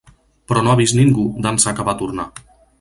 Però no ha vist ningú d'ençà que va tornar.